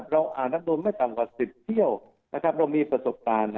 เราอ่านนักดนไม่ต่ำกว่า๑๐เที่ยวเรามีประสบการณ์